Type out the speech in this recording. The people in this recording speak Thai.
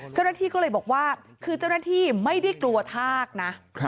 เจ้าหน้าที่ก็เลยบอกว่าคือเจ้าหน้าที่ไม่ได้กลัวทากนะ